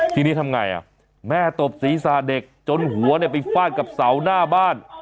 ทีนี้ทำไงแม่ตบศีรษะเด็กจนหัวไปฟาดกับเสาหน้าบ้าน